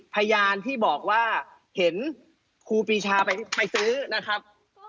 พยานที่บอกว่าเห็นครูปีชาไปซื้อนะครับ